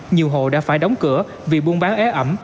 nhiều hộ đã phải đóng cửa vì buôn bán é ẩm